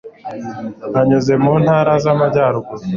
anyuze mu ntara z'amajyaruguru